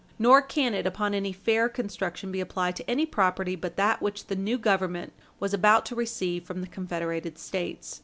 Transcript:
Nor can it, upon any fair construction, be applied to any property but that which the new Government was about the receive from the confederated States.